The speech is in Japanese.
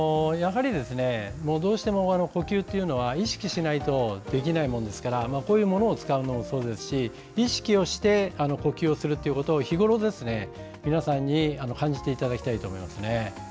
どうしても呼吸というのは意識しないとできないものですからこういうものを使うのもそうですし、意識をして呼吸をすることを日ごろ、皆さんに感じていただきたいと思いますね。